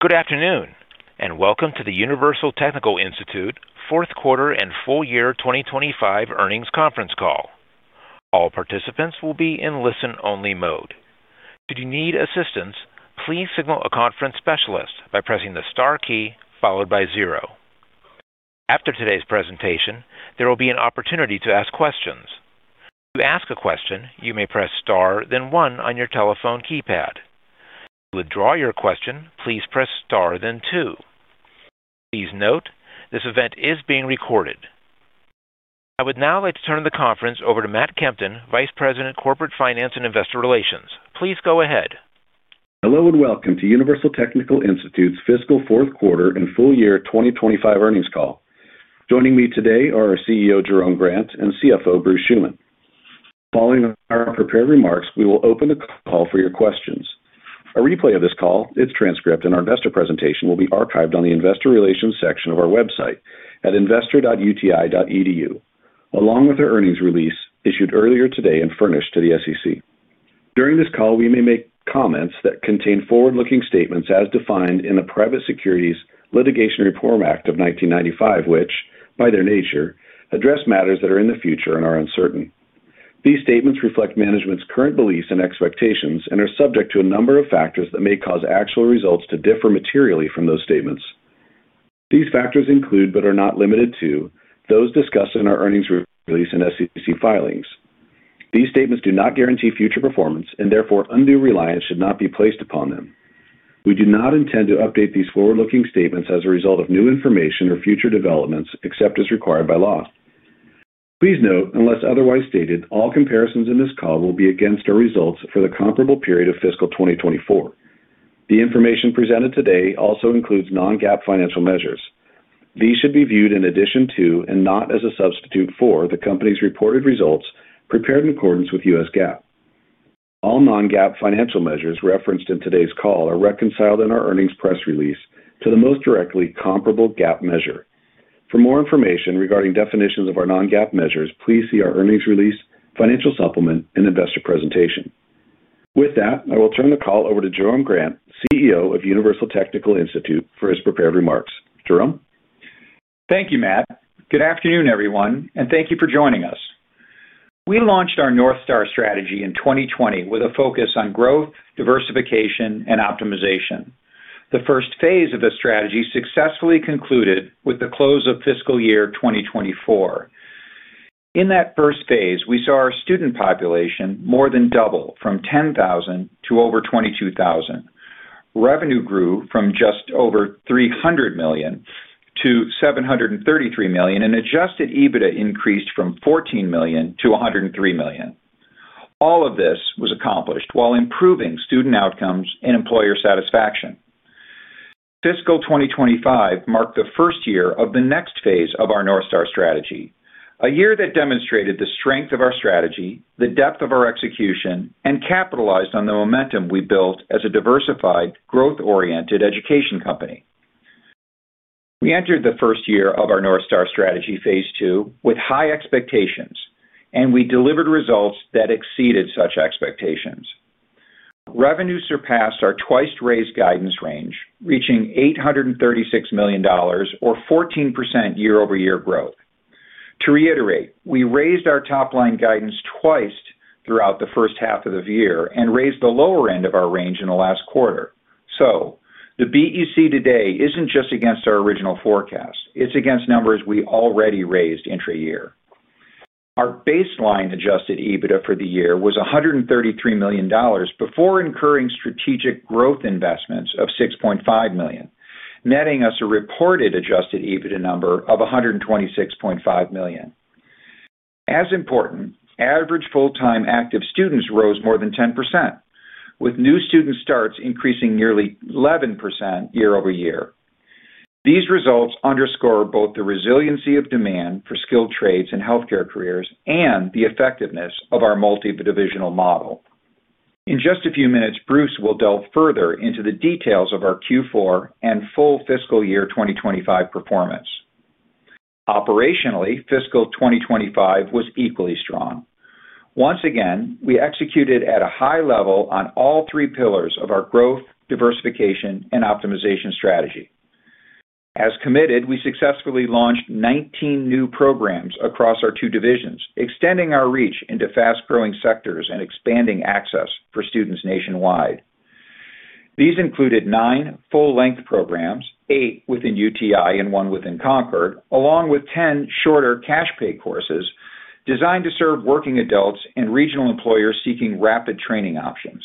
Good afternoon, and welcome to the Universal Technical Institute Fourth Quarter and Full Year 2025 Earnings Conference Call. All participants will be in listen-only mode. Should you need assistance, please signal a conference specialist by pressing the star key followed by zero. After today's presentation, there will be an opportunity to ask questions. To ask a question, you may press star, then one on your telephone keypad. To withdraw your question, please press star, then two. Please note, this event is being recorded. I would now like to turn the conference over to Matt Kempton, Vice President, Corporate Finance and Investor Relations. Please go ahead. Hello and welcome to Universal Technical Institute's fiscal fourth quarter and full year 2025 earnings call. Joining me today are our CEO, Jerome Grant, and CFO, Bruce Schuman. Following our prepared remarks, we will open the call for your questions. A replay of this call, its transcript, and our investor presentation will be archived on the investor relations section of our website at investor.uti.edu, along with our earnings release issued earlier today and furnished to the SEC. During this call, we may make comments that contain forward-looking statements as defined in the Private Securities Litigation Reform Act of 1995, which, by their nature, address matters that are in the future and are uncertain. These statements reflect management's current beliefs and expectations and are subject to a number of factors that may cause actual results to differ materially from those statements. These factors include, but are not limited to, those discussed in our earnings release and SEC filings. These statements do not guarantee future performance and therefore undue reliance should not be placed upon them. We do not intend to update these forward-looking statements as a result of new information or future developments except as required by law. Please note, unless otherwise stated, all comparisons in this call will be against our results for the comparable period of fiscal 2024. The information presented today also includes non-GAAP financial measures. These should be viewed in addition to, and not as a substitute for, the company's reported results prepared in accordance with U.S. GAAP. All non-GAAP financial measures referenced in today's call are reconciled in our earnings press release to the most directly comparable GAAP measure. For more information regarding definitions of our non-GAAP measures, please see our earnings release, financial supplement, and investor presentation. With that, I will turn the call over to Jerome Grant, CEO of Universal Technical Institute, for his prepared remarks. Jerome? Thank you, Matt. Good afternoon, everyone, and thank you for joining us. We launched our North Star strategy in 2020 with a focus on growth, diversification, and optimization. The first phase of the strategy successfully concluded with the close of fiscal year 2024. In that first phase, we saw our student population more than double from 10,000 to over 22,000. Revenue grew from just over $300 million to $733 million, and adjusted EBITDA increased from $14 million to $103 million. All of this was accomplished while improving student outcomes and employer satisfaction. Fiscal 2025 marked the first year of the next phase of our North Star strategy, a year that demonstrated the strength of our strategy, the depth of our execution, and capitalized on the momentum we built as a diversified, growth-oriented education company. We entered the first year of our North Star strategy, phase two, with high expectations, and we delivered results that exceeded such expectations. Revenue surpassed our twice-raised guidance range, reaching $836 million, or 14% year-over-year growth. To reiterate, we raised our top-line guidance twice throughout the first half of the year and raised the lower end of our range in the last quarter. The BEC today is not just against our original forecast; it is against numbers we already raised intra-year. Our baseline adjusted EBITDA for the year was $133 million before incurring strategic growth investments of $6.5 million, netting us a reported adjusted EBITDA number of $126.5 million. As important, average full-time active students rose more than 10%, with new student starts increasing nearly 11% year-over-year. These results underscore both the resiliency of demand for skilled trades and healthcare careers and the effectiveness of our multi-divisional model. In just a few minutes, Bruce will delve further into the details of our Q4 and full fiscal year 2025 performance. Operationally, fiscal 2025 was equally strong. Once again, we executed at a high level on all three pillars of our growth, diversification, and optimization strategy. As committed, we successfully launched 19 new programs across our two divisions, extending our reach into fast-growing sectors and expanding access for students nationwide. These included nine full-length programs, eight within UTI and one within Concorde, along with ten shorter cash-pay courses designed to serve working adults and regional employers seeking rapid training options.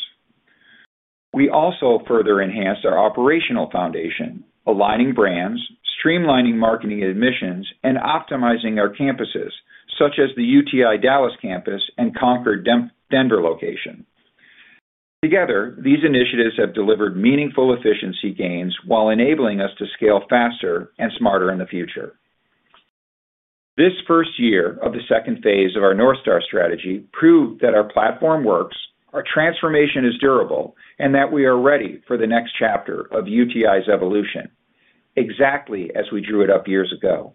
We also further enhanced our operational foundation, aligning brands, streamlining marketing admissions, and optimizing our campuses, such as the UTI Dallas campus and Concorde Denver location. Together, these initiatives have delivered meaningful efficiency gains while enabling us to scale faster and smarter in the future. This first year of the second phase of our North Star strategy proved that our platform works, our transformation is durable, and that we are ready for the next chapter of UTI's evolution, exactly as we drew it up years ago.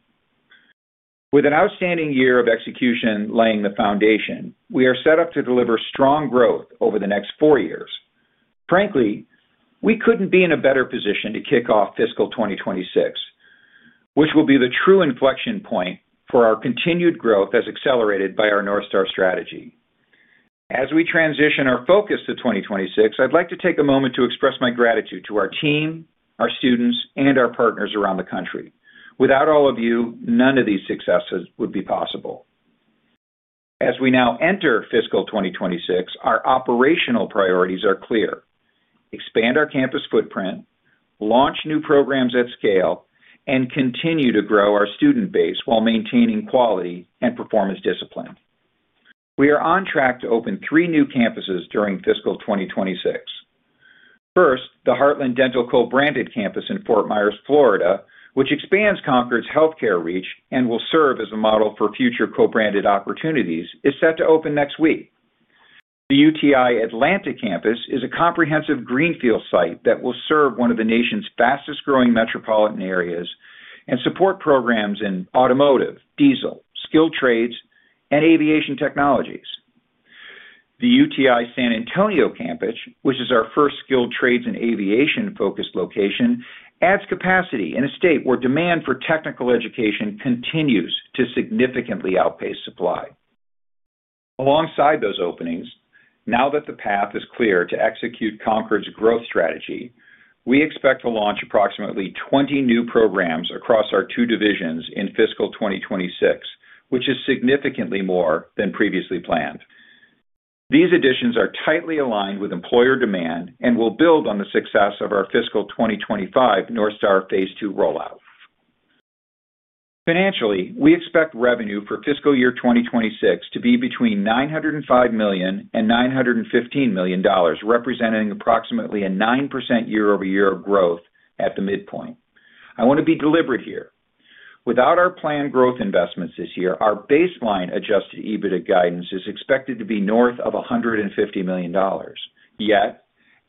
With an outstanding year of execution laying the foundation, we are set up to deliver strong growth over the next four years. Frankly, we couldn't be in a better position to kick off fiscal 2026, which will be the true inflection point for our continued growth as accelerated by our North Star strategy. As we transition our focus to 2026, I'd like to take a moment to express my gratitude to our team, our students, and our partners around the country. Without all of you, none of these successes would be possible. As we now enter fiscal 2026, our operational priorities are clear: expand our campus footprint, launch new programs at scale, and continue to grow our student base while maintaining quality and performance discipline. We are on track to open three new campuses during fiscal 2026. First, the Heartland Dental co-branded campus in Fort Myers, Florida, which expands Concorde's healthcare reach and will serve as a model for future co-branded opportunities, is set to open next week. The UTI Atlanta campus is a comprehensive greenfield site that will serve one of the nation's fastest-growing metropolitan areas and support programs in automotive, diesel, skilled trades, and aviation technologies. The UTI San Antonio campus, which is our first skilled trades and aviation-focused location, adds capacity in a state where demand for technical education continues to significantly outpace supply. Alongside those openings, now that the path is clear to execute Concorde's growth strategy, we expect to launch approximately 20 new programs across our two divisions in fiscal 2026, which is significantly more than previously planned. These additions are tightly aligned with employer demand and will build on the success of our fiscal 2025 North Star phase two rollout. Financially, we expect revenue for fiscal year 2026 to be between $905 million and $915 million, representing approximately a 9% year-over-year growth at the midpoint. I want to be deliberate here. Without our planned growth investments this year, our baseline adjusted EBITDA guidance is expected to be north of $150 million. Yet,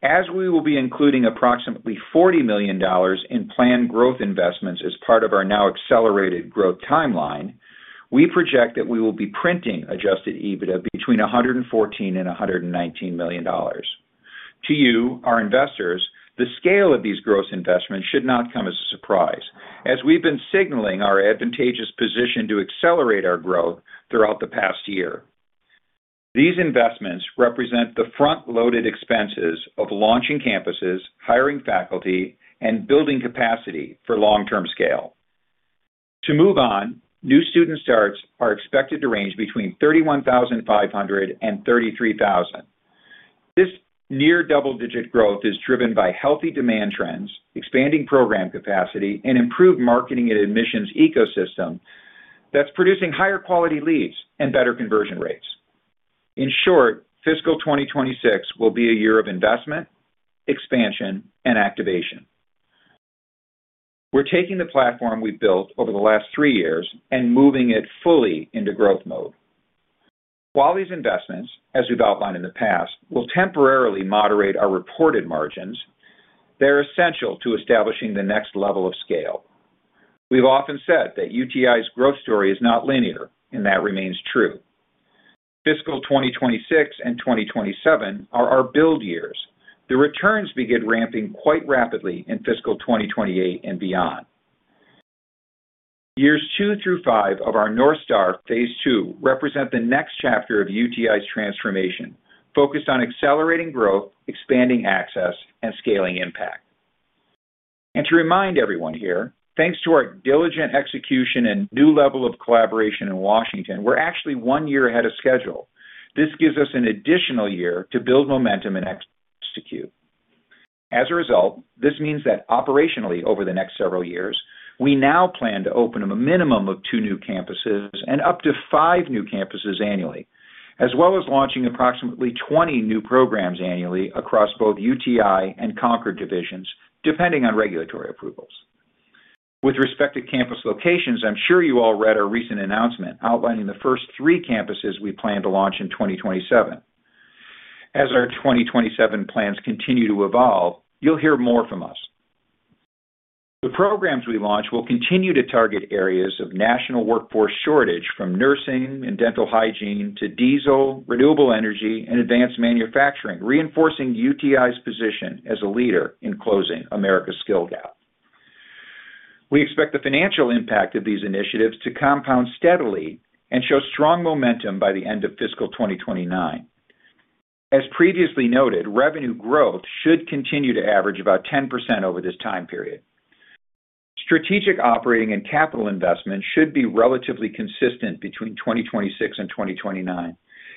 as we will be including approximately $40 million in planned growth investments as part of our now accelerated growth timeline, we project that we will be printing adjusted EBITDA between $114 million and $119 million. To you, our investors, the scale of these gross investments should not come as a surprise, as we've been signaling our advantageous position to accelerate our growth throughout the past year. These investments represent the front-loaded expenses of launching campuses, hiring faculty, and building capacity for long-term scale. To move on, new student starts are expected to range between $31,500 and $33,000. This near double-digit growth is driven by healthy demand trends, expanding program capacity, and improved marketing and admissions ecosystem that's producing higher quality leads and better conversion rates. In short, fiscal 2026 will be a year of investment, expansion, and activation. We're taking the platform we've built over the last three years and moving it fully into growth mode. While these investments, as we've outlined in the past, will temporarily moderate our reported margins, they're essential to establishing the next level of scale. We've often said that UTI's growth story is not linear, and that remains true. Fiscal 2026 and 2027 are our build years. The returns begin ramping quite rapidly in fiscal 2028 and beyond. Years two through five of our North Star phase two represent the next chapter of UTI's transformation, focused on accelerating growth, expanding access, and scaling impact. To remind everyone here, thanks to our diligent execution and new level of collaboration in Washington, we're actually one year ahead of schedule. This gives us an additional year to build momentum and execute. As a result, this means that operationally, over the next several years, we now plan to open a minimum of two new campuses and up to five new campuses annually, as well as launching approximately 20 new programs annually across both UTI and Concord divisions, depending on regulatory approvals. With respect to campus locations, I'm sure you all read our recent announcement outlining the first three campuses we plan to launch in 2027. As our 2027 plans continue to evolve, you'll hear more from us. The programs we launch will continue to target areas of national workforce shortage, from nursing and dental hygiene to diesel, renewable energy, and advanced manufacturing, reinforcing UTI's position as a leader in closing America's skill gap. We expect the financial impact of these initiatives to compound steadily and show strong momentum by the end of fiscal 2029. As previously noted, revenue growth should continue to average about 10% over this time period. Strategic operating and capital investment should be relatively consistent between 2026 and 2029,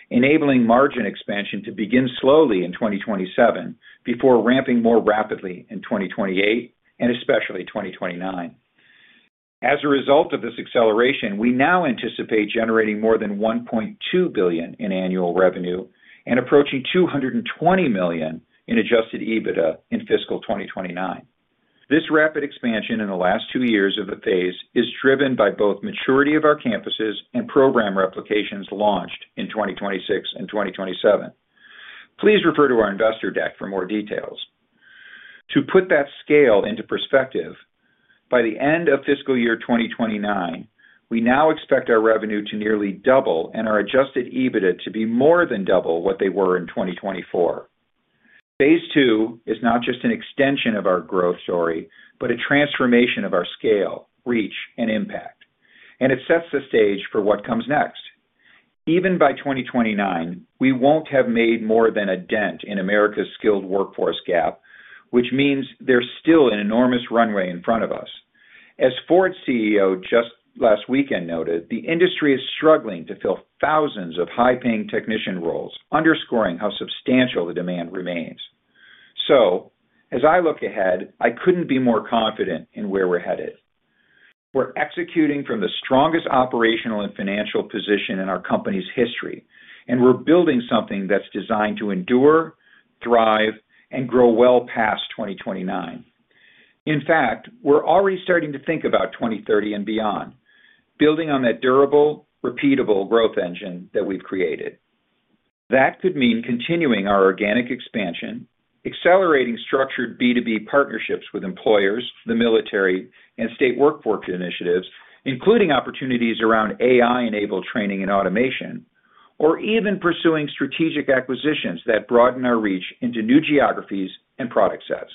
enabling margin expansion to begin slowly in 2027 before ramping more rapidly in 2028 and especially 2029. As a result of this acceleration, we now anticipate generating more than $1.2 billion in annual revenue and approaching $220 million in adjusted EBITDA in fiscal 2029. This rapid expansion in the last two years of the phase is driven by both maturity of our campuses and program replications launched in 2026 and 2027. Please refer to our investor deck for more details. To put that scale into perspective, by the end of fiscal year 2029, we now expect our revenue to nearly double and our adjusted EBITDA to be more than double what they were in 2024. Phase two is not just an extension of our growth story, but a transformation of our scale, reach, and impact. It sets the stage for what comes next. Even by 2029, we won't have made more than a dent in America's skilled workforce gap, which means there's still an enormous runway in front of us. As Ford's CEO just last weekend noted, the industry is struggling to fill thousands of high-paying technician roles, underscoring how substantial the demand remains. As I look ahead, I couldn't be more confident in where we're headed. We're executing from the strongest operational and financial position in our company's history, and we're building something that's designed to endure, thrive, and grow well past 2029. In fact, we're already starting to think about 2030 and beyond, building on that durable, repeatable growth engine that we've created. That could mean continuing our organic expansion, accelerating structured B2B partnerships with employers, the military, and state workforce initiatives, including opportunities around AI-enabled training and automation, or even pursuing strategic acquisitions that broaden our reach into new geographies and product sets.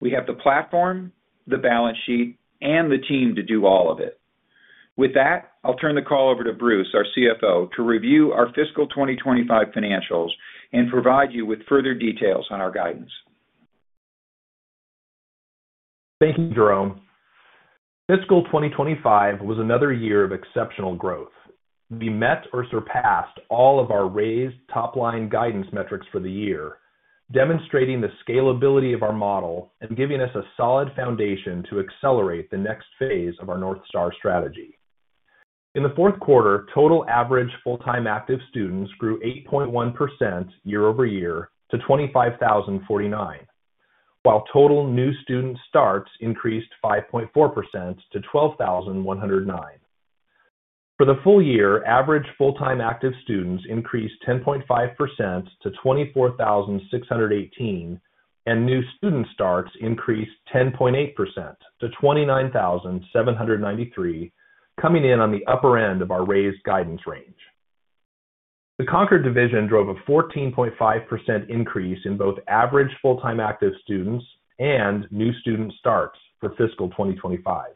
We have the platform, the balance sheet, and the team to do all of it. With that, I'll turn the call over to Bruce, our CFO, to review our fiscal 2025 financials and provide you with further details on our guidance. Thank you, Jerome. Fiscal 2025 was another year of exceptional growth. We met or surpassed all of our raised top-line guidance metrics for the year, demonstrating the scalability of our model and giving us a solid foundation to accelerate the next phase of our North Star strategy. In the fourth quarter, total average full-time active students grew 8.1% year-over-year to 25,049, while total new student starts increased 5.4% to 12,109. For the full year, average full-time active students increased 10.5% to 24,618, and new student starts increased 10.8% to 29,793, coming in on the upper end of our raised guidance range. The Concorde division drove a 14.5% increase in both average full-time active students and new student starts for fiscal 2025.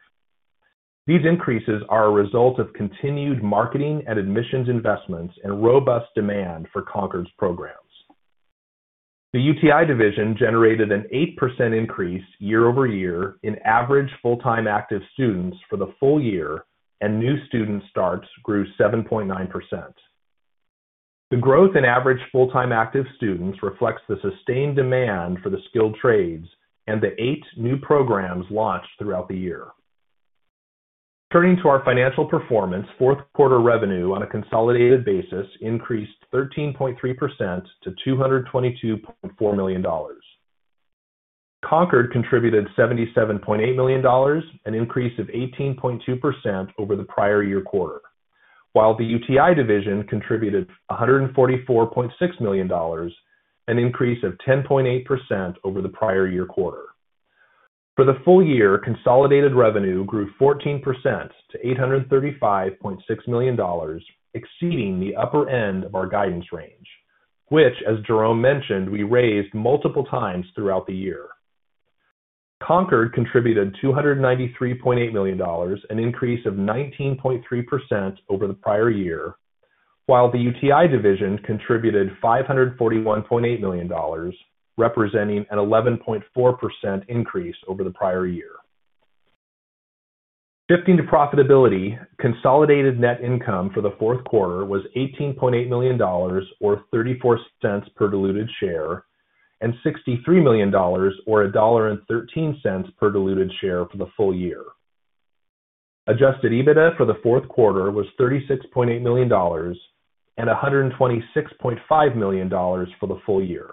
These increases are a result of continued marketing and admissions investments and robust demand for Concorde's programs. The UTI division generated an 8% increase year-over-year in average full-time active students for the full year, and new student starts grew 7.9%. The growth in average full-time active students reflects the sustained demand for the skilled trades and the eight new programs launched throughout the year. Turning to our financial performance, fourth quarter revenue on a consolidated basis increased 13.3% to $222.4 million. Concord contributed $77.8 million, an increase of 18.2% over the prior year quarter, while the UTI division contributed $144.6 million, an increase of 10.8% over the prior year quarter. For the full year, consolidated revenue grew 14% to $835.6 million, exceeding the upper end of our guidance range, which, as Jerome mentioned, we raised multiple times throughout the year. Concord contributed $293.8 million, an increase of 19.3% over the prior year, while the UTI division contributed $541.8 million, representing an 11.4% increase over the prior year. Shifting to profitability, consolidated net income for the fourth quarter was $18.8 million, or $0.34 per diluted share, and $63 million, or $1.13 per diluted share for the full year. Adjusted EBITDA for the fourth quarter was $36.8 million and $126.5 million for the full year.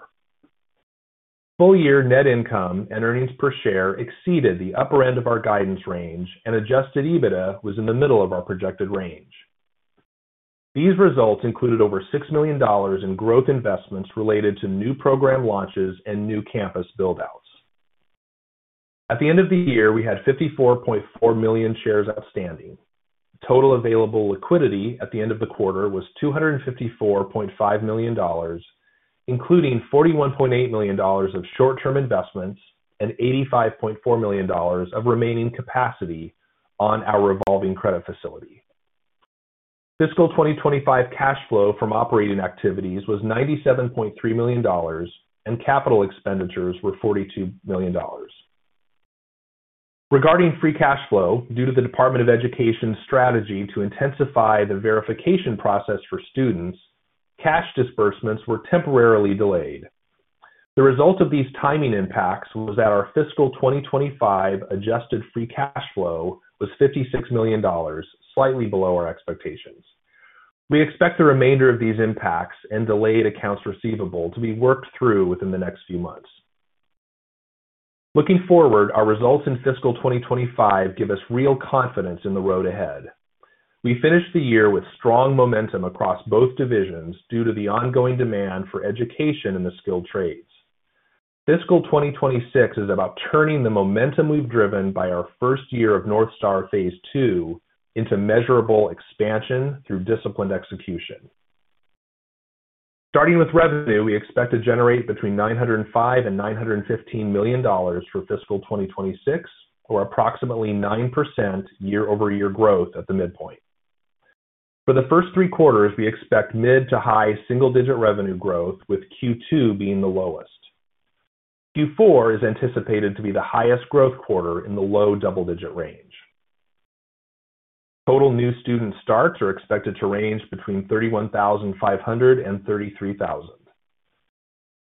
Full year net income and earnings per share exceeded the upper end of our guidance range, and adjusted EBITDA was in the middle of our projected range. These results included over $6 million in growth investments related to new program launches and new campus buildouts. At the end of the year, we had 54.4 million shares outstanding. Total available liquidity at the end of the quarter was $254.5 million, including $41.8 million of short-term investments and $85.4 million of remaining capacity on our revolving credit facility. Fiscal 2025 cash flow from operating activities was $97.3 million, and capital expenditures were $42 million. Regarding free cash flow, due to the Department of Education's strategy to intensify the verification process for students, cash disbursements were temporarily delayed. The result of these timing impacts was that our fiscal 2025 adjusted free cash flow was $56 million, slightly below our expectations. We expect the remainder of these impacts and delayed accounts receivable to be worked through within the next few months. Looking forward, our results in fiscal 2025 give us real confidence in the road ahead. We finished the year with strong momentum across both divisions due to the ongoing demand for education in the skilled trades. Fiscal 2026 is about turning the momentum we've driven by our first year of North Star phase two into measurable expansion through disciplined execution. Starting with revenue, we expect to generate between $905 million and $915 million for fiscal 2026, or approximately 9% year-over-year growth at the midpoint. For the first three quarters, we expect mid to high single-digit revenue growth, with Q2 being the lowest. Q4 is anticipated to be the highest growth quarter in the low double-digit range. Total new student starts are expected to range between 31,500 and 33,000.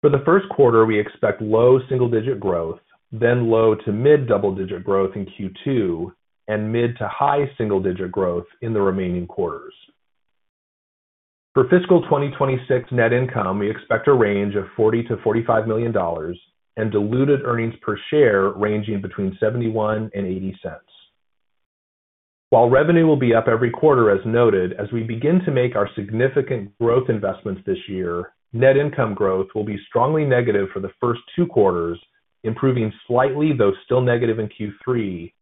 For the first quarter, we expect low single-digit growth, then low to mid double-digit growth in Q2, and mid to high single-digit growth in the remaining quarters. For fiscal 2026 net income, we expect a range of $40-$45 million and diluted earnings per share ranging between $0.71 and $0.80. While revenue will be up every quarter, as noted, as we begin to make our significant growth investments this year, net income growth will be strongly negative for the first two quarters, improving slightly, though still negative in Q3,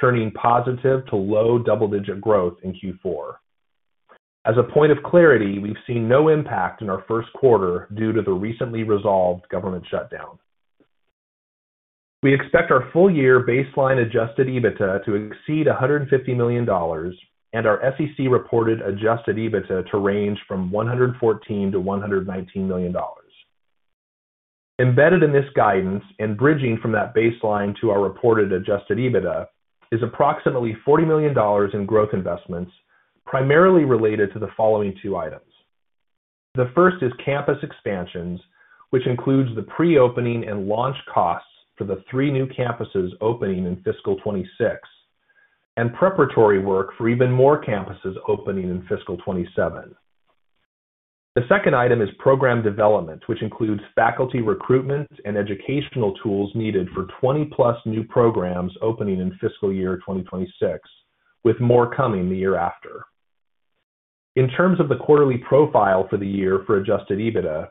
turning positive to low double-digit growth in Q4. As a point of clarity, we've seen no impact in our first quarter due to the recently resolved government shutdown. We expect our full year baseline adjusted EBITDA to exceed $150 million and our SEC reported adjusted EBITDA to range from $114-$119 million. Embedded in this guidance and bridging from that baseline to our reported adjusted EBITDA is approximately $40 million in growth investments, primarily related to the following two items. The first is campus expansions, which includes the pre-opening and launch costs for the three new campuses opening in fiscal 2026, and preparatory work for even more campuses opening in fiscal 2027. The second item is program development, which includes faculty recruitment and educational tools needed for 20-plus new programs opening in fiscal year 2026, with more coming the year after. In terms of the quarterly profile for the year for adjusted EBITDA,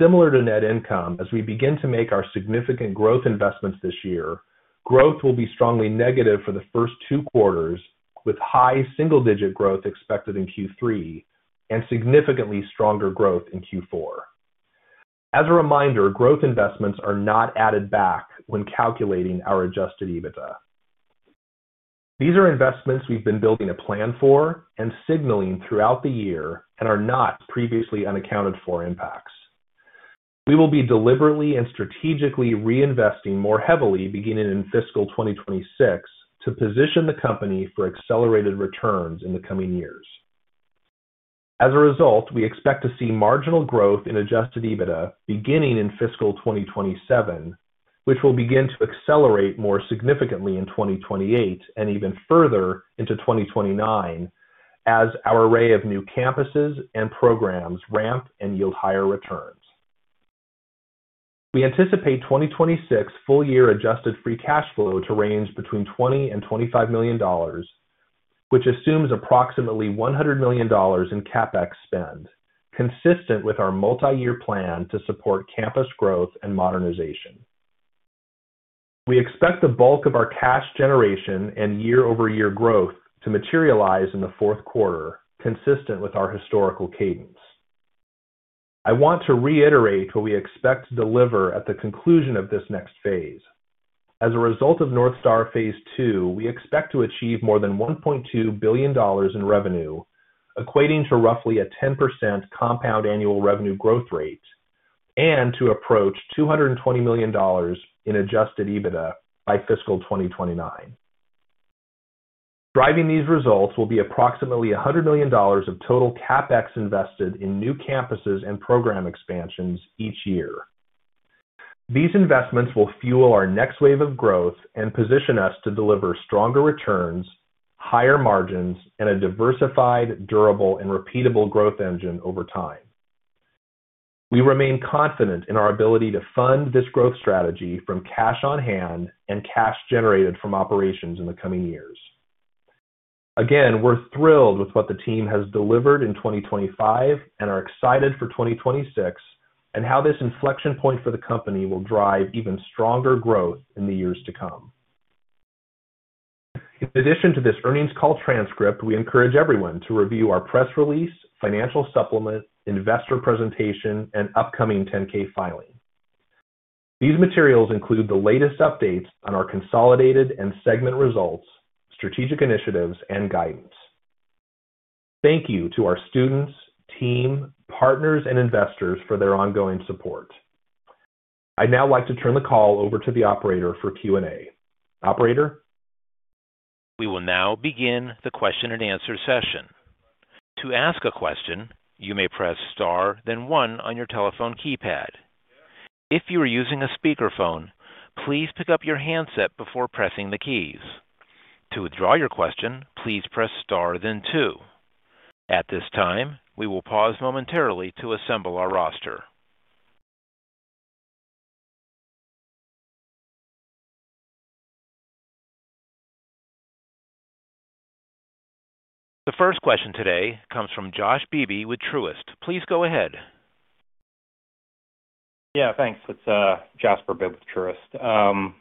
similar to net income, as we begin to make our significant growth investments this year, growth will be strongly negative for the first two quarters, with high single-digit growth expected in Q3 and significantly stronger growth in Q4. As a reminder, growth investments are not added back when calculating our adjusted EBITDA. These are investments we've been building a plan for and signaling throughout the year and are not previously unaccounted for impacts. We will be deliberately and strategically reinvesting more heavily beginning in fiscal 2026 to position the company for accelerated returns in the coming years. As a result, we expect to see marginal growth in adjusted EBITDA beginning in fiscal 2027, which will begin to accelerate more significantly in 2028 and even further into 2029 as our array of new campuses and programs ramp and yield higher returns. We anticipate 2026 full year adjusted free cash flow to range between $20-$25 million, which assumes approximately $100 million in CapEx spend, consistent with our multi-year plan to support campus growth and modernization. We expect the bulk of our cash generation and year-over-year growth to materialize in the fourth quarter, consistent with our historical cadence. I want to reiterate what we expect to deliver at the conclusion of this next phase. As a result of North Star phase two, we expect to achieve more than $1.2 billion in revenue, equating to roughly a 10% compound annual revenue growth rate, and to approach $220 million in adjusted EBITDA by fiscal 2029. Driving these results will be approximately $100 million of total CapEx invested in new campuses and program expansions each year. These investments will fuel our next wave of growth and position us to deliver stronger returns, higher margins, and a diversified, durable, and repeatable growth engine over time. We remain confident in our ability to fund this growth strategy from cash on hand and cash generated from operations in the coming years. Again, we're thrilled with what the team has delivered in 2025 and are excited for 2026 and how this inflection point for the company will drive even stronger growth in the years to come. In addition to this earnings call transcript, we encourage everyone to review our press release, financial supplement, investor presentation, and upcoming 10-K filing. These materials include the latest updates on our consolidated and segment results, strategic initiatives, and guidance. Thank you to our students, team, partners, and investors for their ongoing support. I'd now like to turn the call over to the operator for Q&A. Operator? We will now begin the question-and-answer session. To ask a question, you may press star, then One on your telephone keypad. If you are using a speakerphone, please pick up your handset before pressing the keys. To withdraw your question, please press star, then two. At this time, we will pause momentarily to assemble our roster. The first question today comes from Jasper Bibb with Truist. Please go ahead. Yeah, thanks. It's Jasper Bibb with Truist.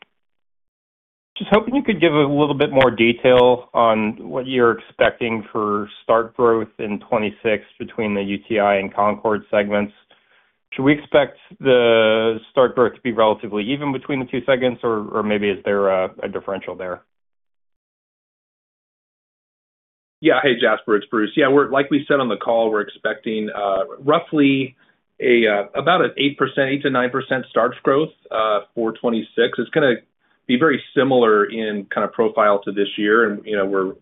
Just hoping you could give a little bit more detail on what you're expecting for start growth in 2026 between the UTI and Concorde segments. Should we expect the start growth to be relatively even between the two segments, or maybe is there a differential there? Yeah, hey, Jasper, it's Bruce. Yeah, like we said on the call, we're expecting roughly about an 8%, 8-9% start growth for 2026. It's going to be very similar in kind of profile to this year, and we're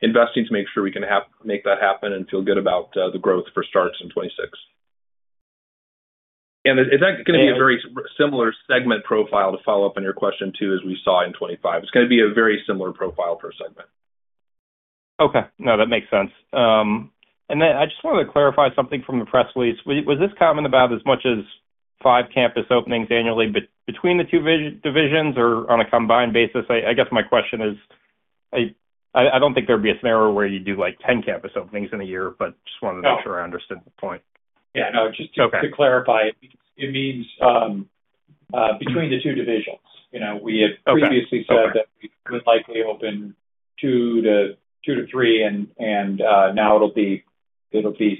investing to make sure we can make that happen and feel good about the growth for starts in 2026. It's going to be a very similar segment profile to follow up on your question too, as we saw in 2025. It's going to be a very similar profile per segment. Okay. No, that makes sense. I just wanted to clarify something from the press release. Was this comment about as much as five campus openings annually between the two divisions or on a combined basis? I guess my question is, I don't think there'd be a scenario where you do like 10 campus openings in a year, but just wanted to make sure I understood the point. Yeah, no, just to clarify, it means between the two divisions. We had previously said that we would likely open two to three, and now it'll be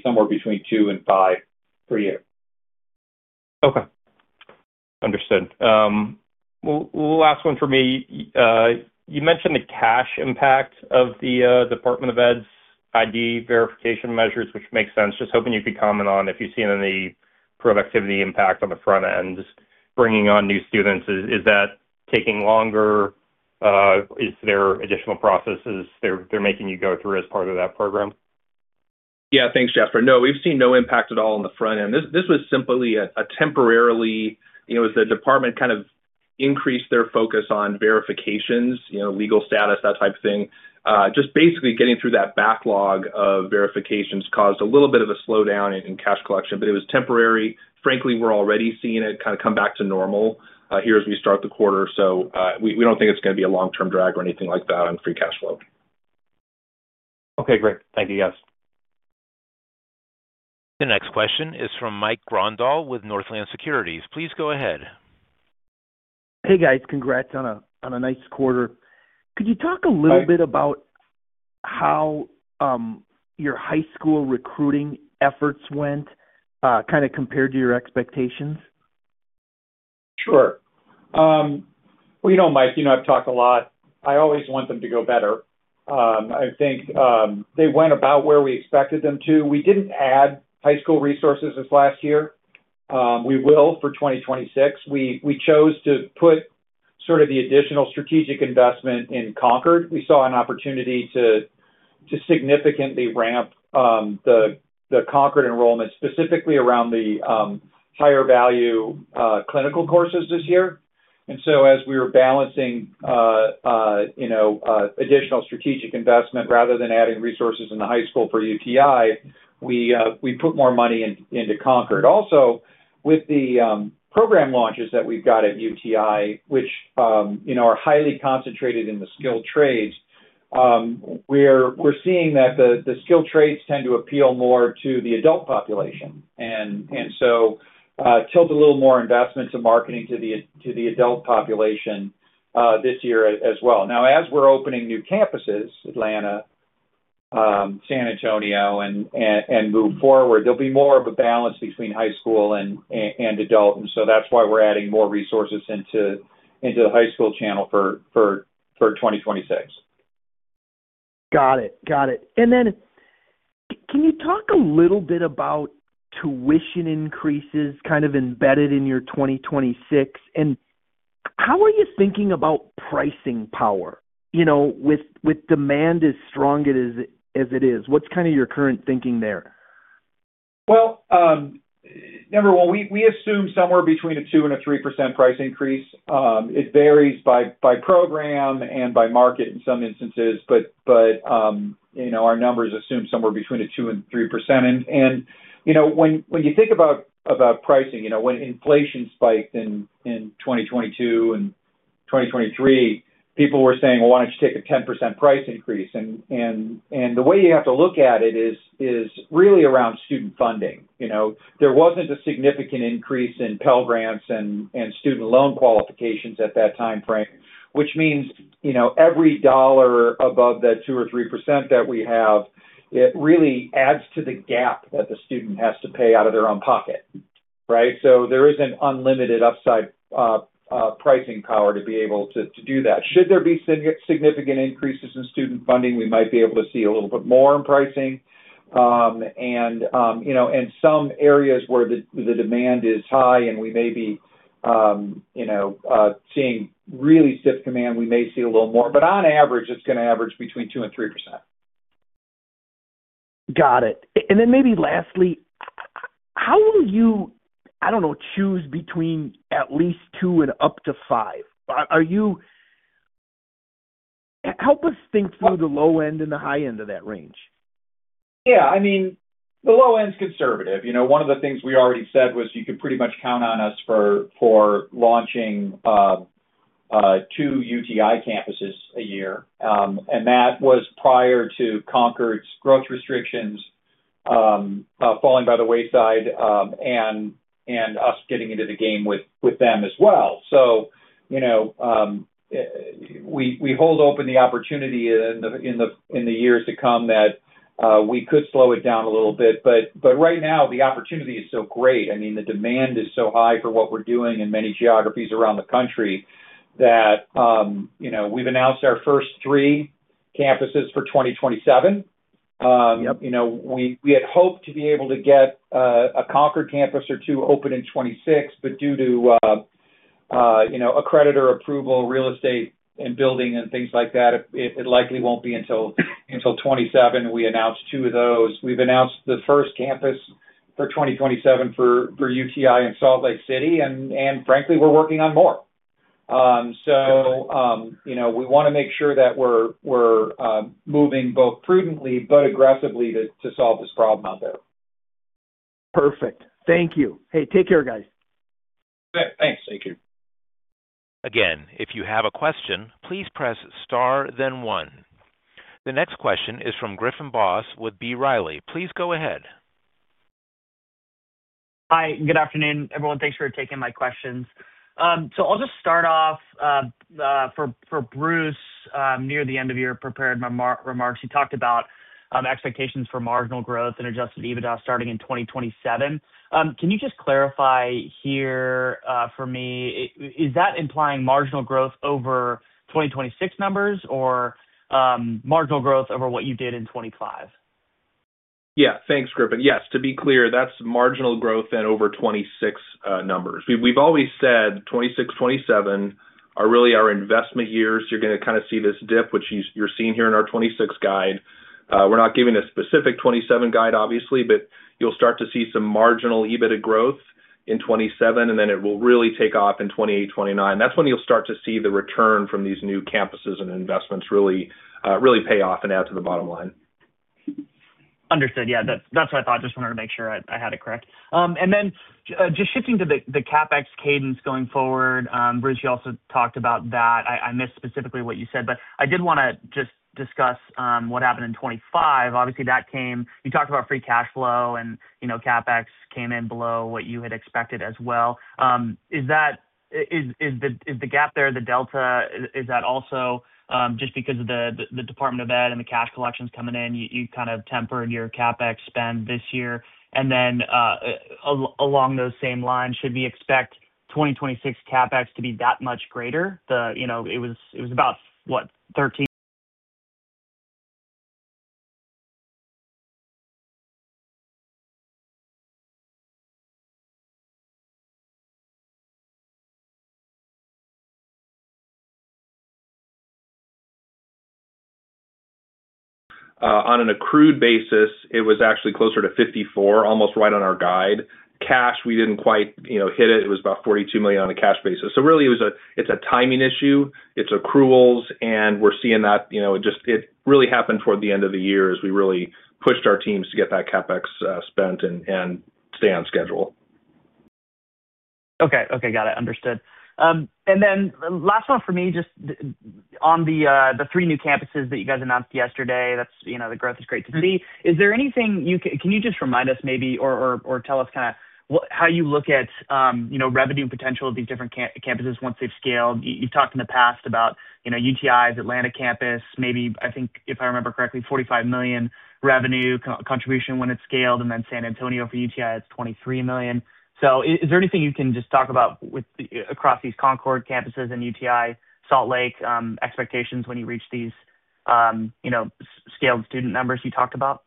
somewhere between two and five per year. Okay. Understood. Last one for me. You mentioned the cash impact of the Department of Ed's ID verification measures, which makes sense. Just hoping you could comment on if you've seen any productivity impact on the front end, bringing on new students. Is that taking longer? Is there additional processes they're making you go through as part of that program? Yeah, thanks, Jasper. No, we've seen no impact at all on the front end. This was simply a temporary—it was the department kind of increased their focus on verifications, legal status, that type of thing. Just basically getting through that backlog of verifications caused a little bit of a slowdown in cash collection, but it was temporary. Frankly, we're already seeing it kind of come back to normal here as we start the quarter, so we don't think it's going to be a long-term drag or anything like that on free cash flow. Okay, great. Thank you, guys. The next question is from Mike Grondahl with Northland Securities. Please go ahead. Hey, guys, congrats on a nice quarter. Could you talk a little bit about how your high school recruiting efforts went kind of compared to your expectations? Sure. You know, Mike, I've talked a lot. I always want them to go better. I think they went about where we expected them to. We did not add high school resources this last year. We will for 2026. We chose to put sort of the additional strategic investment in Concorde. We saw an opportunity to significantly ramp the Concorde enrollment, specifically around the higher-value clinical courses this year. As we were balancing additional strategic investment rather than adding resources in the high school for UTI, we put more money into Concorde. Also, with the program launches that we've got at UTI, which are highly concentrated in the skilled trades, we're seeing that the skilled trades tend to appeal more to the adult population. Tilt a little more investment to marketing to the adult population this year as well. As we're opening new campuses, Atlanta, San Antonio, and move forward, there'll be more of a balance between high school and adult. That's why we're adding more resources into the high school channel for 2026. Got it. Got it. Can you talk a little bit about tuition increases kind of embedded in your 2026? How are you thinking about pricing power with demand as strong as it is? What's kind of your current thinking there? Number one, we assume somewhere between a 2%-3% price increase. It varies by program and by market in some instances, but our numbers assume somewhere between a 2-3%. When you think about pricing, when inflation spiked in 2022 and 2023, people were saying, "Well, why don't you take a 10% price increase?" The way you have to look at it is really around student funding. There wasn't a significant increase in Pell Grants and student loan qualifications at that time frame, which means every dollar above that 2-3% that we have, it really adds to the gap that the student has to pay out of their own pocket, right? There is an unlimited upside pricing power to be able to do that. Should there be significant increases in student funding, we might be able to see a little bit more in pricing. In some areas where the demand is high and we may be seeing really stiff demand, we may see a little more. On average, it is going to average between 2% and 3%. Got it. Maybe lastly, how will you, I do not know, choose between at least two and up to five? Help us think through the low end and the high end of that range. I mean, the low end is conservative. One of the things we already said was you could pretty much count on us for launching two UTI campuses a year. That was prior to Concorde's growth restrictions falling by the wayside and us getting into the game with them as well. We hold open the opportunity in the years to come that we could slow it down a little bit. Right now, the opportunity is so great. I mean, the demand is so high for what we're doing in many geographies around the country that we've announced our first three campuses for 2027. We had hoped to be able to get a Concorde campus or two open in 2026, but due to a creditor approval, real estate and building and things like that, it likely won't be until 2027. We announced two of those. We've announced the first campus for 2027 for UTI in Salt Lake City, and frankly, we're working on more. We want to make sure that we're moving both prudently but aggressively to solve this problem out there. Perfect. Thank you. Hey, take care, guys. Thanks. Thank you. Again, if you have a question, please press Star, then One. The next question is from Griffin Boss with B. Riley. Please go ahead. Hi. Good afternoon, everyone. Thanks for taking my questions. I'll just start off for Bruce. Near the end of your prepared remarks, you talked about expectations for marginal growth and adjusted EBITDA starting in 2027. Can you just clarify here for me, is that implying marginal growth over 2026 numbers or marginal growth over what you did in 2025? Yeah. Thanks, Griffin. Yes. To be clear, that's marginal growth over 2026 numbers. We've always said 2026, 2027 are really our investment years. You're going to kind of see this dip, which you're seeing here in our 2026 guide. We're not giving a specific 2027 guide, obviously, but you'll start to see some marginal EBITDA growth in 2027, and then it will really take off in 2028, 2029. That's when you'll start to see the return from these new campuses and investments really pay off and add to the bottom line. Understood. Yeah. That's what I thought. Just wanted to make sure I had it correct. Then just shifting to the CapEx cadence going forward, Bruce, you also talked about that. I missed specifically what you said, but I did want to just discuss what happened in 2025. Obviously, you talked about free cash flow, and CapEx came in below what you had expected as well. Is the gap there, the delta, is that also just because of the Department of Ed and the cash collections coming in, you kind of tempered your CapEx spend this year? Along those same lines, should we expect 2026 CapEx to be that much greater? It was about, what, 13. On an accrued basis, it was actually closer to 54, almost right on our guide. Cash, we did not quite hit it. It was about $42 million on a cash basis. Really, it is a timing issue. It's accruals, and we're seeing that. It really happened toward the end of the year as we really pushed our teams to get that CapEx spent and stay on schedule. Okay. Got it. Understood. Last one for me, just on the three new campuses that you guys announced yesterday, the growth is great to see. Is there anything you can—can you just remind us maybe or tell us kind of how you look at revenue potential of these different campuses once they've scaled? You've talked in the past about UTI, Atlanta campus, maybe, I think, if I remember correctly, $45 million revenue contribution when it's scaled, and then San Antonio for UTI, it's $23 million. Is there anything you can just talk about across these Concorde campuses and UTI, Salt Lake expectations when you reach these scaled student numbers you talked about?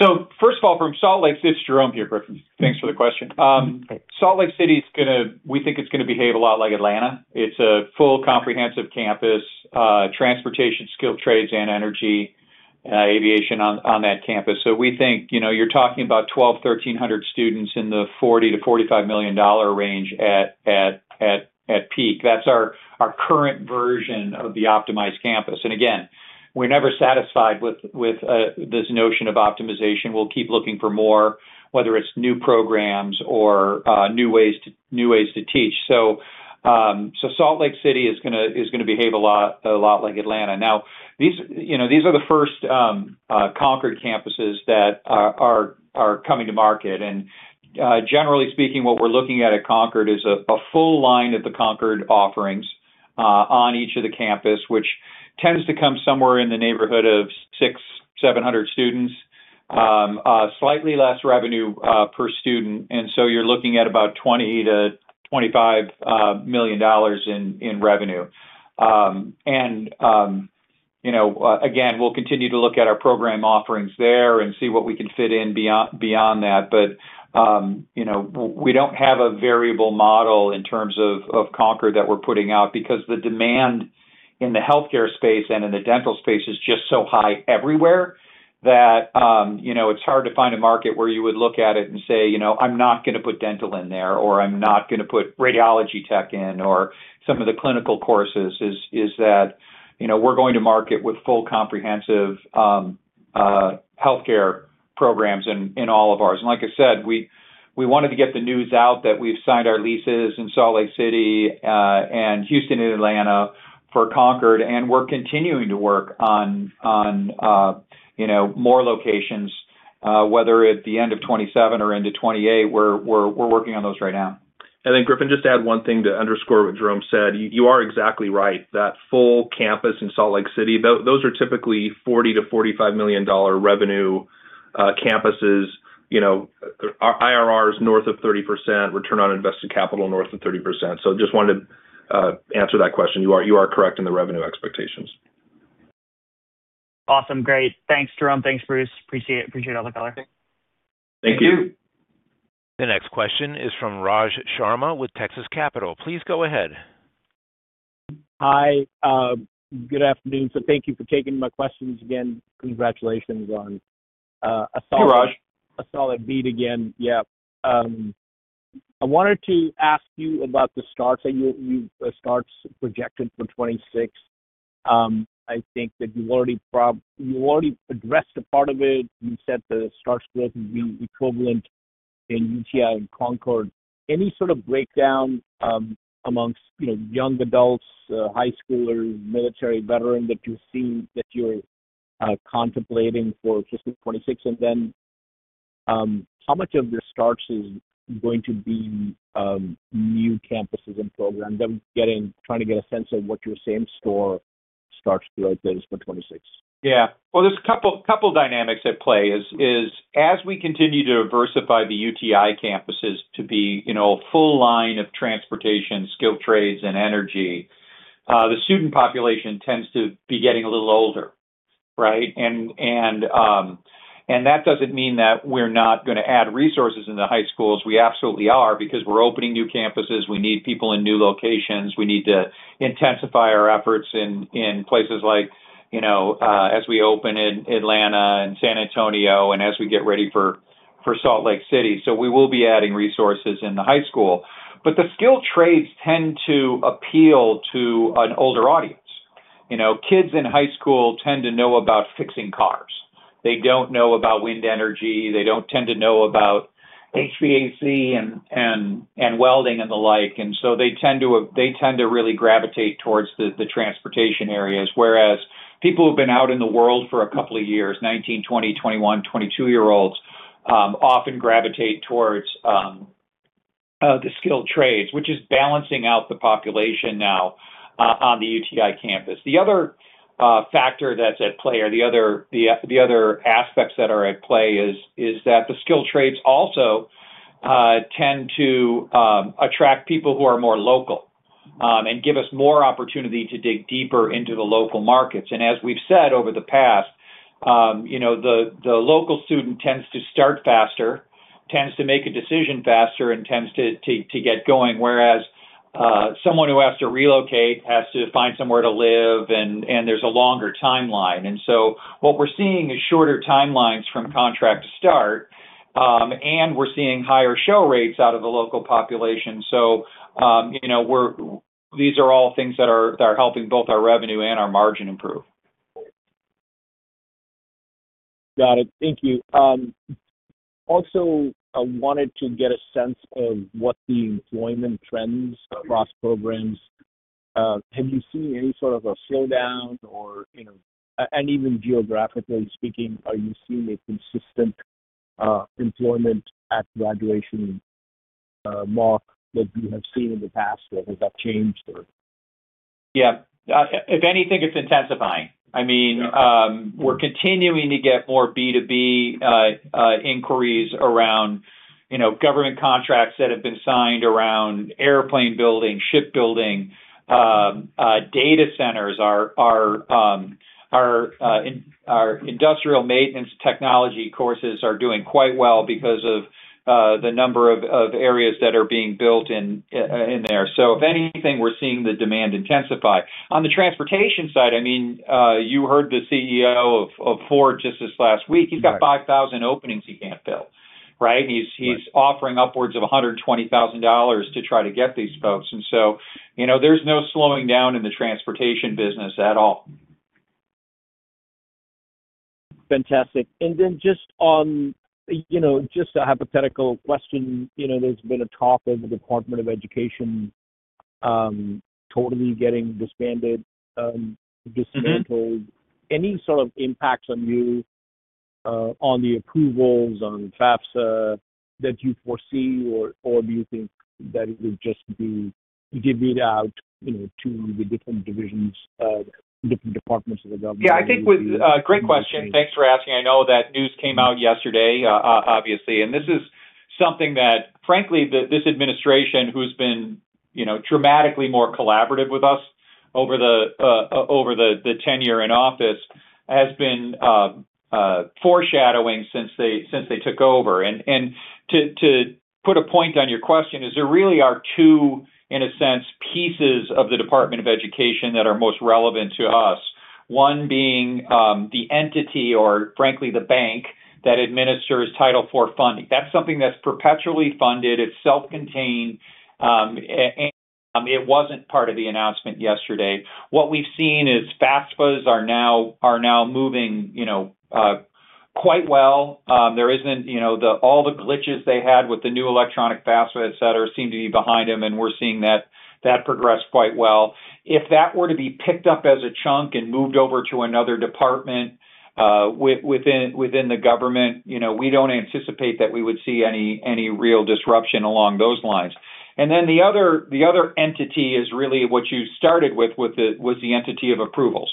First of all, from Salt Lake City—it's Jerome here, Griffin. Thanks for the question. Salt Lake City is going to—we think it's going to behave a lot like Atlanta. It's a full comprehensive campus, transportation, skilled trades, and energy, aviation on that campus. We think you're talking about 1,200, 1,300 students in the $40 million-$45 million range at peak. That's our current version of the optimized campus. Again, we're never satisfied with this notion of optimization. We'll keep looking for more, whether it's new programs or new ways to teach. Salt Lake City is going to behave a lot like Atlanta. Now, these are the first Concorde campuses that are coming to market. Generally speaking, what we're looking at at Concorde is a full line of the Concorde offerings on each of the campus, which tends to come somewhere in the neighborhood of 600-700 students, slightly less revenue per student. You're looking at about $20 million-$25 million in revenue. Again, we'll continue to look at our program offerings there and see what we can fit in beyond that. We do not have a variable model in terms of Concord that we are putting out because the demand in the healthcare space and in the dental space is just so high everywhere that it is hard to find a market where you would look at it and say, "I am not going to put dental in there," or, "I am not going to put radiology tech in," or some of the clinical courses. We are going to market with full comprehensive healthcare programs in all of ours. Like I said, we wanted to get the news out that we have signed our leases in Salt Lake City and Houston and Atlanta for Concord, and we are continuing to work on more locations, whether at the end of 2027 or into 2028. We are working on those right now. Griffin, just to add one thing to underscore what Jerome said, you are exactly right. That full campus in Salt Lake City, those are typically $40 million-$45 million revenue campuses, IRRs north of 30%, return on invested capital north of 30%. Just wanted to answer that question. You are correct in the revenue expectations. Awesome. Great. Thanks, Jerome. Thanks, Bruce. Appreciate it. Appreciate all the color. Thank you. The next question is from Raj Sharma with Texas Capital. Please go ahead. Hi. Good afternoon. Thank you for taking my questions again. Congratulations on a solid beat again. Yeah. I wanted to ask you about the starts that you—the starts projected for 2026. I think that you have already addressed a part of it. You said the starts growth will be equivalent in UTI and Concord. Any sort of breakdown amongst young adults, high schoolers, military veterans that you've seen that you're contemplating for 2026? And then how much of the starts is going to be new campuses and programs? I'm trying to get a sense of what you're saying store starts growth is for 2026. Yeah. There's a couple of dynamics at play. As we continue to diversify the UTI campuses to be a full line of transportation, skilled trades, and energy, the student population tends to be getting a little older, right? That doesn't mean that we're not going to add resources in the high schools. We absolutely are because we're opening new campuses. We need people in new locations. We need to intensify our efforts in places like as we open in Atlanta and San Antonio and as we get ready for Salt Lake City. We will be adding resources in the high school. The skilled trades tend to appeal to an older audience. Kids in high school tend to know about fixing cars. They do not know about wind energy. They do not tend to know about HVAC and welding and the like. They tend to really gravitate towards the transportation areas, whereas people who have been out in the world for a couple of years, 19, 20, 21, 22-year-olds often gravitate towards the skilled trades, which is balancing out the population now on the UTI campus. The other factor that is at play, or the other aspects that are at play, is that the skilled trades also tend to attract people who are more local and give us more opportunity to dig deeper into the local markets. As we've said over the past, the local student tends to start faster, tends to make a decision faster, and tends to get going, whereas someone who has to relocate has to find somewhere to live, and there's a longer timeline. What we're seeing is shorter timelines from contract to start, and we're seeing higher show rates out of the local population. These are all things that are helping both our revenue and our margin improve. Got it. Thank you. Also, I wanted to get a sense of what the employment trends across programs. Have you seen any sort of a slowdown? Even geographically speaking, are you seeing a consistent employment at graduation mark that you have seen in the past? Has that changed? Yeah. If anything, it's intensifying. I mean, we're continuing to get more B2B inquiries around government contracts that have been signed around airplane building, shipbuilding, data centers. Our industrial maintenance technology courses are doing quite well because of the number of areas that are being built in there. If anything, we're seeing the demand intensify. On the transportation side, I mean, you heard the CEO of Ford just this last week. He's got 5,000 openings he can't fill, right? He's offering upwards of $120,000 to try to get these folks. There is no slowing down in the transportation business at all. Fantastic. And then just a hypothetical question, there's been a talk of the Department of Education totally getting disbanded, dismantled. Any sort of impact on you, on the approvals, on FAFSA that you foresee, or do you think that it would just be divvied out to the different divisions, different departments of the government? Yeah. I think with great question. Thanks for asking. I know that news came out yesterday, obviously. This is something that, frankly, this administration, who's been dramatically more collaborative with us over the tenure in office, has been foreshadowing since they took over. To put a point on your question, there really are two, in a sense, pieces of the Department of Education that are most relevant to us. One being the entity, or frankly, the bank that administers Title IV funding. That's something that's perpetually funded. It's self-contained. It wasn't part of the announcement yesterday. What we've seen is FAFSAs are now moving quite well. There isn't all the glitches they had with the new electronic FAFSA, etc., seem to be behind them, and we're seeing that progress quite well. If that were to be picked up as a chunk and moved over to another department within the government, we don't anticipate that we would see any real disruption along those lines. The other entity is really what you started with was the entity of approvals.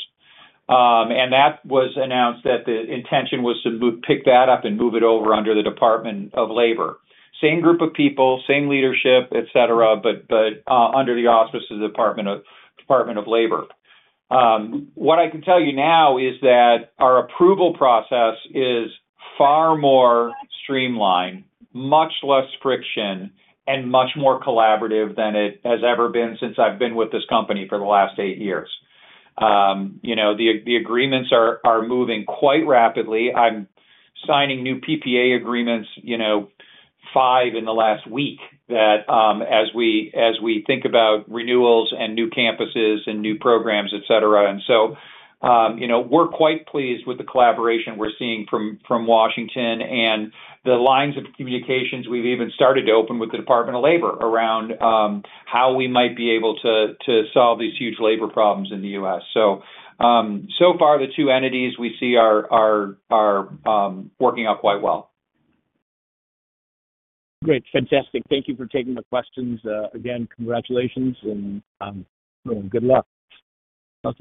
That was announced that the intention was to pick that up and move it over under the Department of Labor. Same group of people, same leadership, etc., but under the auspices of the Department of Labor. What I can tell you now is that our approval process is far more streamlined, much less friction, and much more collaborative than it has ever been since I've been with this company for the last eight years. The agreements are moving quite rapidly. I'm signing new PPA agreements, five in the last week, as we think about renewals and new campuses and new programs, etc. We are quite pleased with the collaboration we're seeing from Washington and the lines of communications we've even started to open with the Department of Labor around how we might be able to solve these huge labor problems in the U.S. So far, the two entities we see are working out quite well. Great. Fantastic. Thank you for taking my questions. Again, congratulations, and good luck.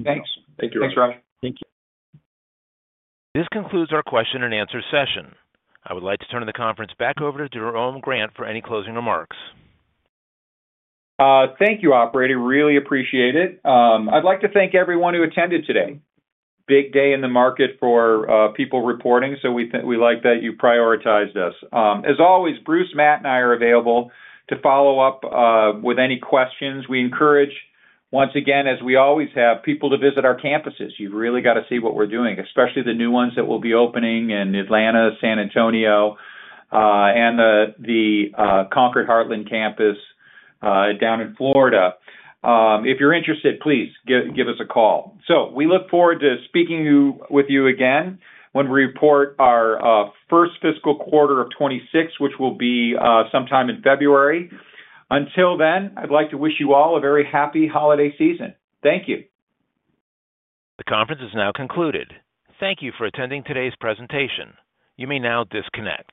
Thanks. Thank you. Thanks, Raj. Thank you. This concludes our question and answer session. I would like to turn the conference back over to Jerome Grant for any closing remarks. Thank you, operator. Really appreciate it. I'd like to thank everyone who attended today. Big day in the market for people reporting, so we like that you prioritized us. As always, Bruce, Matt, and I are available to follow up with any questions. We encourage, once again, as we always have, people to visit our campuses. You've really got to see what we're doing, especially the new ones that will be opening in Atlanta, San Antonio, and the Concorde, Heartland campus down in Florida. If you're interested, please give us a call. We look forward to speaking with you again when we report our first fiscal quarter of 2026, which will be sometime in February. Until then, I'd like to wish you all a very happy holiday season. Thank you. The conference is now concluded. Thank you for attending today's presentation. You may now disconnect.